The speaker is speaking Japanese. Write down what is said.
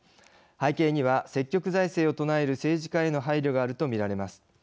背景には積極財政を唱える政治家への配慮があると見られます。